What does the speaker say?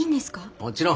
もちろん。